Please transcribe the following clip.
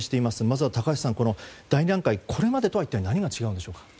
まずは高橋さん、第２段階これまでとは一体何が違うのでしょうか。